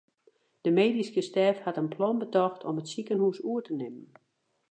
De medyske stêf hat in plan betocht om it sikehús oer te nimmen.